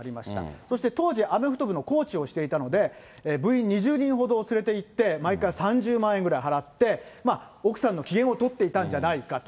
そして当時、アメフト部のコーチをしていたので、部員２０人ほどを連れて行って、毎回３０万円ぐらい払って、奥さんの機嫌を取っていたんじゃないかと。